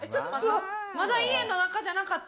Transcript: まだ家の中じゃなかった。